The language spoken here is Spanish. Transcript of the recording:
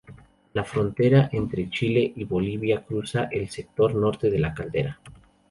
La frontera entre Chile y Bolivia cruza el sector norte de la caldera.